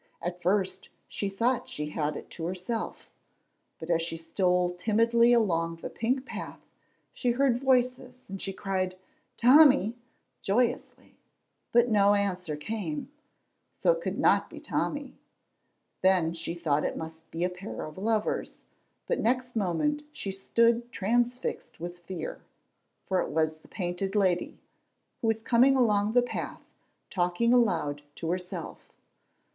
At first she thought she had it to herself, but as she stole timidly along the pink path she heard voices, and she cried "Tommy!" joyously. But no answer came, so it could not be Tommy. Then she thought it must be a pair of lovers, but next moment she stood transfixed with fear, for it was the Painted Lady, who was coming along the path talking aloud to herself.